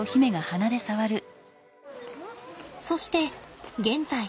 そして現在。